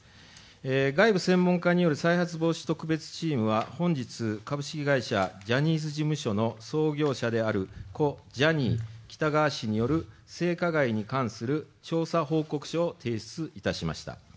外部専門家による再発防止特別チームは本日、ジャニーズ事務所の創業者である故・ジャニー喜多川氏による性加害に関する調査報告書を提出いたしました。